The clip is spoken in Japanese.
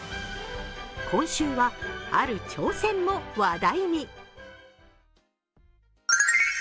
今週は、ある挑戦も話題に。